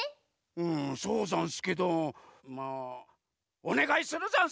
うんそうざんすけどまあおねがいするざんす！